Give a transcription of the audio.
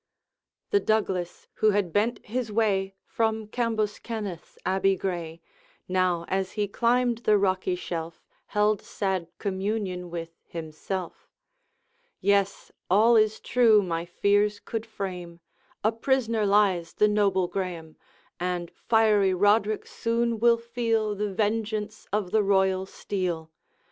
The Douglas, who had bent his way From Cambus kenneth's abbey gray, Now, as he climbed the rocky shelf, Held sad communion with himself: 'Yes! all is true my fears could frame; A prisoner lies the noble Graeme, And fiery Roderick soon will feel The vengeance of the royal steel.